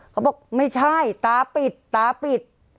เขาบอกไม่ใช่ตาปิดตาปิด